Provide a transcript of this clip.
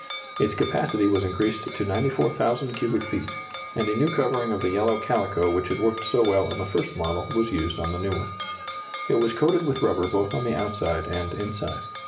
Its capacity was increased to 94,000 cubic feet, and a new covering of the yellow calico which had worked so well on the first model was used on the new one. It was coated with rubber both on the outside and inside.